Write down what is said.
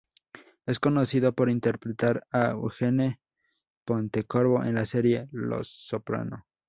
Es conocido por interpretar a Eugene Pontecorvo en la serie "Los Soprano".